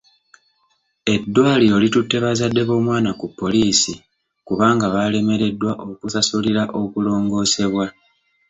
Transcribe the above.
Eddwaliro litutte bazadde b'omwana ku poliisi kubanga baalemereddwa okusasulira okulongoosebwa.